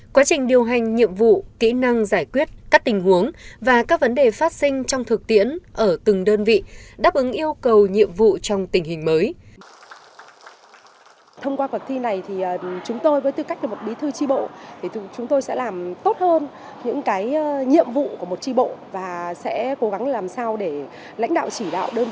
quá trình điều hành nhiệm vụ kỹ năng giải quyết các tình huống và các vấn đề phát sinh trong thực tiễn ở từng đơn vị đáp ứng yêu cầu nhiệm vụ trong tình hình mới